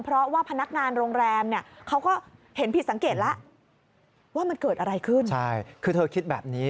เพราะว่าพนักงานโรงแรมเขาก็เห็นผิดสังเกตแล้ว